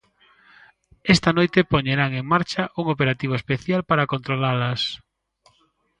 Esta noite poñerán en marcha un operativo especial para controlalas.